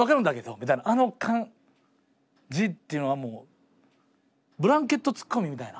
みたいなあの感じっていうのはもうブランケットツッコミみたいな。